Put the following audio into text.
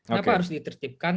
kenapa harus ditertibkan